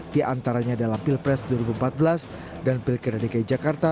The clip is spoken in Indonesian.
diantaranya dalam pilpres dua ribu empat belas dan pilkera dgk